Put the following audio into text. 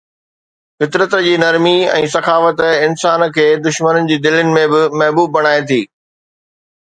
فطرت جي نرمي ۽ سخاوت انسان کي دشمنن جي دلين ۾ به محبوب بڻائي ٿي